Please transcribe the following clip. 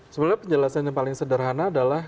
sebenarnya penjelasannya paling sederhana adalah